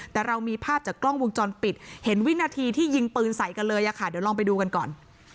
แต่เรามีภาพจากกล้องวงจรปิดเห็นวินาทีที่ยิงปืนใส่กันเลยค่ะเดี๋ยวลองไปดูกันก่อน